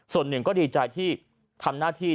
ส่วนหนึ่งก็ดีใจที่ทำหน้าที่